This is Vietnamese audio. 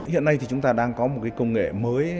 hiện nay thì chúng ta đang có một cái công nghệ mới